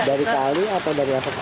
dari kali atau dari atas